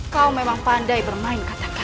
kau memang pandai bermain kata kata